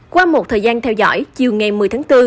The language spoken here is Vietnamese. qua một thời gian theo dõi chiều ngày một mươi tháng bốn